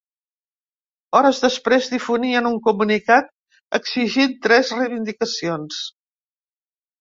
Hores després difonien un comunicat exigint tres reivindicacions.